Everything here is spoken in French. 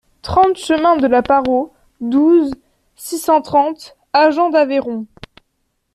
trente chemin de la Parro, douze, six cent trente, Agen-d'Aveyron